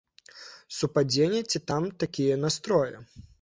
Супадзенне ці там такія настроі?